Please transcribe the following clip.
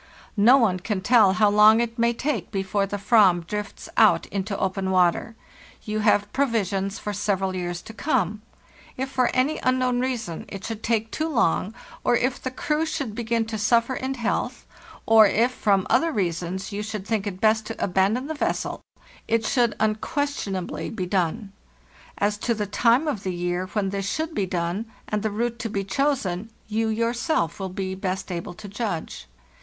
No one can tell how long it may take before the "vam drifts out into open water. You have provisions for several years to come; if for any unknown reason it should take too long, or if the crew should begin to suffer in health, or if from other reasons you should think it best to abandon the vessel, it should unquestionably be done. As to the time of the year when this should be done, and the route to be chos en, you yourself will be best able to judge.